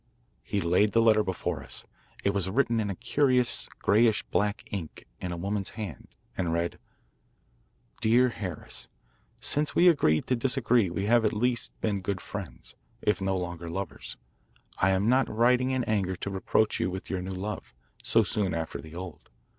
He laid the letter before us. It was written in a curious greyish black ink in a woman's hand, and read: DEAR HARRIS: Since we agreed to disagree we have at least been good friends, if no longer lovers. I am not writing in anger to reproach you with your new love, so soon after the old.